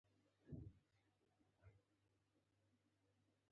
روسیه هېڅ وخت په داخلي چارو کې د مداخلې نیت نه لري.